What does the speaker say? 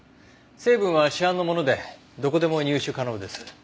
成分は市販のものでどこでも入手可能です。